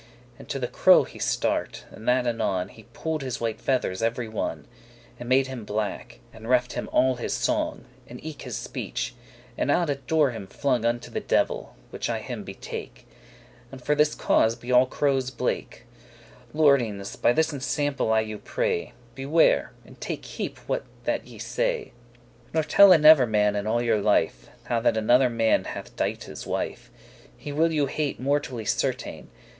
And to the crow he start,* and that anon, *sprang And pull'd his white feathers every one, And made him black, and reft him all his song, And eke his speech, and out at door him flung Unto the devil, *which I him betake;* *to whom I commend him* And for this cause be all crowes blake. Lordings, by this ensample, I you pray, Beware, and take keep* what that ye say; *heed Nor telle never man in all your life How that another man hath dight his wife; He will you hate mortally certain.